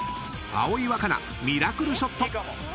［葵わかなミラクルショット！］